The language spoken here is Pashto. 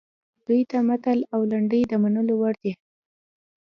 دوی ته متل او لنډۍ د منلو وړ دي